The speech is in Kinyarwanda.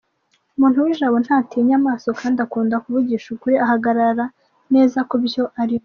Umuntu w’ijabo ntatinya amaso kandi akunda kuvugisha ukuri ahagarara neza ku byo arimo.